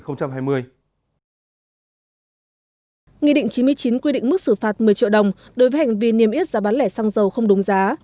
nghị định chín mươi chín quy định mức xử phạt một mươi triệu đồng đối với hành vi niêm yết giá bán lẻ xăng dầu không đúng giá